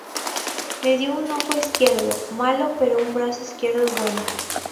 Me dio un ojo izquierdo malo pero un brazo izquierdo bueno".